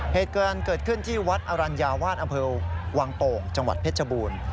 เหตุการณ์เกิดขึ้นที่วัดอรัญญาวาสอำเภอวังโป่งจังหวัดเพชรบูรณ์